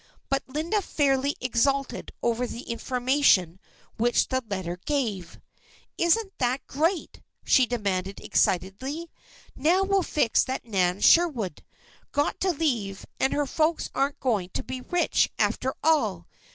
But Linda fairly exulted over the information which the letter gave. "Isn't that great," she demanded excitedly. "Now we'll fix that Nan Sherwood! Got to leave, and her folks aren't going to be rich, after all!